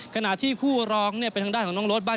ขณะที่คู่ร้องเป็นทางด้านของน้องโรดบ้าน